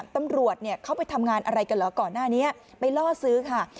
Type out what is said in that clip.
ตำรวจเขาไปทำงานอะไรกันเหรอก่อนหน้านี้ไปล่อซื้อค่ะ